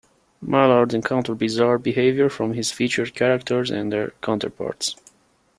Mallard encountered bizarre behaviour from his featured characters and their counterparts.